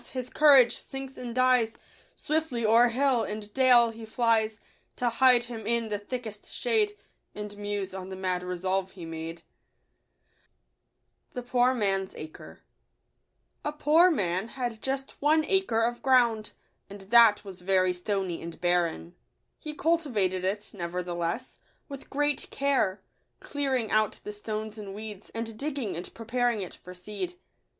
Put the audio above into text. his courage sinks and dies, Swiftly o'er hill and dale he flies, To hide him in the thickest shade, And muse on the mad resolve he made. 87 Digitized by kaOOQle lirWftmavffln fflUllfr m . i i . u i . u* UiL I.ot.fto /.^ Lg.r.W •?*/«/: Lf POOR man had just one acre of ground, and that was very stony and barren. He cultivated it, nevertheless, with great care, clearing out the stones and weeds, and digging and preparing it for seed.